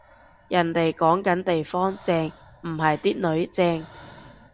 人哋講緊地方正，唔係啲囡正